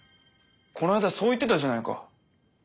この間そう言ってたじゃないか。